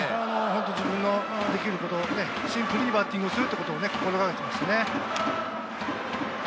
自分のできること、シンプルにバッティングすることを心がけていますね。